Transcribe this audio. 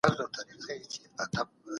هیوادونو په خپلو اقتصادونو کار وکړ.